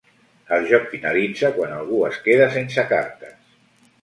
El joc finalitza quan algú es queda sense cartes.